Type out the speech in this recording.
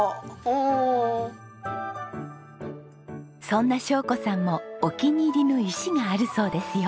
そんな晶子さんもお気に入りの石があるそうですよ。